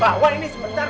bahwa ini sebentar